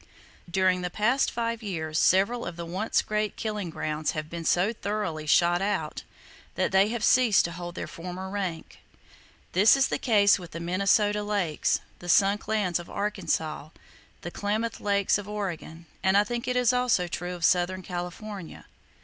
During the past five years, several of the once great killing grounds have been so thoroughly "shot out" that they have ceased to hold their former rank. This is the case with the Minnesota Lakes, the Sunk Lands of Arkansas, the Klamath Lakes of Oregon, and I think it is also true of southern California.